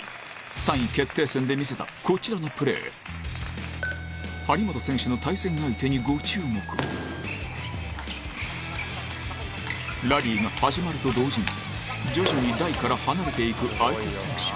３位決定戦で見せたこちらのプレー張本選手の対戦相手にご注目ラリーが始まると同時に徐々に台から離れていく相手選手